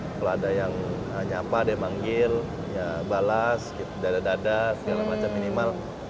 kalau ada yang nyapa ada yang manggil ya balas dada dada segala macam minimal